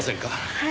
はい。